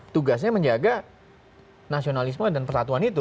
tugasnya menjaga nasionalisme dan persatuan itu